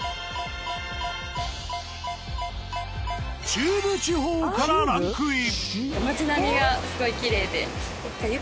中部地方からランクイン。